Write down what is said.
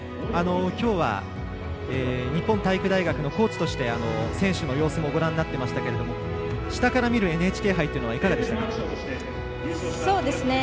きょうは日本体育大学のコーチとして選手の様子もご覧になっていましたけども下から見るＮＨＫ杯というのはいかがでしたか？